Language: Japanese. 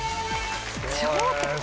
ちょっと。